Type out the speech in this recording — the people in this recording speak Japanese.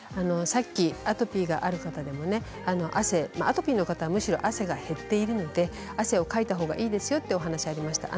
さっきアトピーがある方でもアトピーの方は汗が減っているので、汗をかいたほうがいいという話がありました。